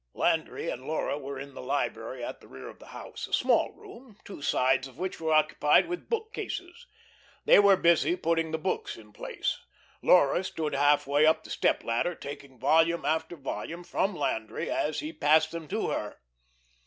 Landry and Laura were in the library at the rear of the house, a small room, two sides of which were occupied with book cases. They were busy putting the books in place. Laura stood half way up the step ladder taking volume after volume from Landry as he passed them to her.